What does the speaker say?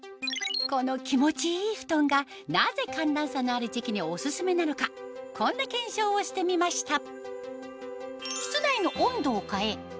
この気持ちいいふとんがなぜ寒暖差のある時期にオススメなのかこんな検証をしてみました